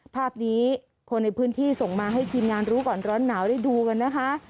ภาพนี้คนในพื้นที่ส่งมาให้ทีมงานรู้ก่อนร้อนหนาวได้ดูกันนะคะ